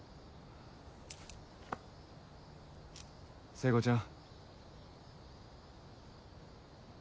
聖子ちゃん。